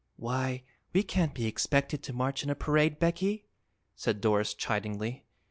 "Why, we can't be expected to march in a parade, Becky," said Doris chidingly.